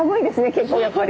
結構やっぱり。